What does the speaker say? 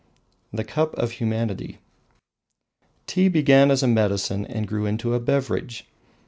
The Cup of Humanity Tea began as a medicine and grew into a beverage.